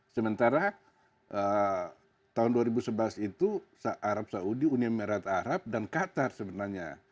sementara tahun dua ribu sebelas itu arab saudi uni emirat arab dan qatar sebenarnya